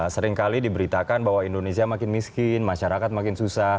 seringkali diberitakan bahwa indonesia makin miskin masyarakat makin susah